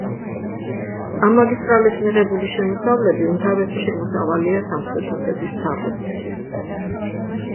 ამ მაგისტრალით მიღებული შემოსავლები უმთავრესი შემოსავალია სამხრეთ ოსეთის მთავრობისთვის.